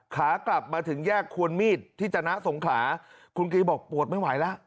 ขากลับมาถึงแยกควรมีดที่จนะสงขลาคุณกรีบอกปวดไม่ไหวแล้ว